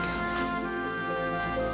sampai jumpa lagi